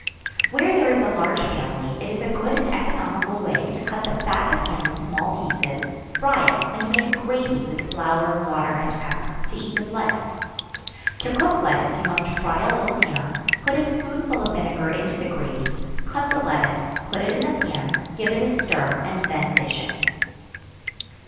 Where there is a large family, it is a good and economical way to cut the fat of ham in small pieces, fry it, and make a gravy with flour, water and pepper, to eat with lettuce. To cook lettuce you must fry a little ham; put a spoonful of vinegar into the gravy; cut the lettuce, put it in the pan; give it a stir, and then dish it.